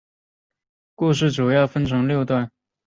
故事主要分成六段以讲述六篇发生在美国边界的西部故事。